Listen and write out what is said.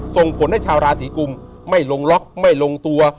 ส่งผลให้ชาวราศีกุมไม่ลงล็อกไม่ลงตัว